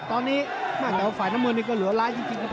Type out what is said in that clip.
ตอนนี้ฝ่ายน้ำเงินอย่างงี้ก็เหลือลายจริง